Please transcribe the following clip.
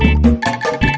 yang dulu nyiksa kita